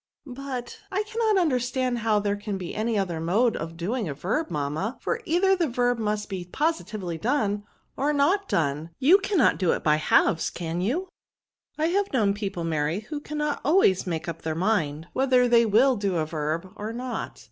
But I cannot understand how there can be any other mode of doing a verb, mamma ; for either the verb must be positively done or not done ; you cannot do it by halves, can you?" *' I have known people, Mary, who cannot always make up their mind, whether they will do a verb or not.